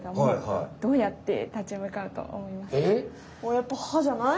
やっぱ歯じゃない？